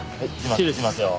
失礼しますよ。